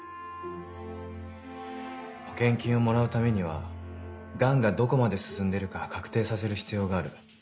保険金をもらうためには癌がどこまで進んでるか確定させる必要がある。